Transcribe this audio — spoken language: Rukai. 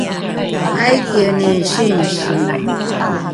aikieni singsi?